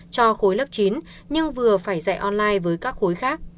cho khối lớp chín nhưng vừa phải dạy online với các khối khác